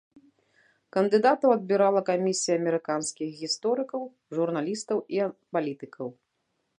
Кандыдатаў адбірала камісія амерыканскіх гісторыкаў, журналістаў і палітыкаў.